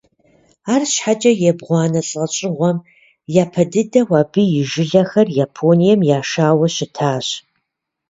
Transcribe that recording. Арщхьэкӏэ ебгъуанэ лӏэщӏыгъуэм япэ дыдэу абы и жылэхэр Японием яшауэ щытащ.